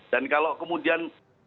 dan kalau kemudian